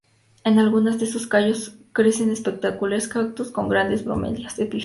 En algunas de sus cayos crecen espectaculares cactus con grandes bromelias epífitas.